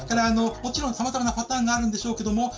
もちろん、さまざまなパターンがあるんでしょうけど